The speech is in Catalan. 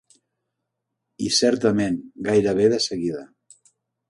I, certament, gairebé de seguida...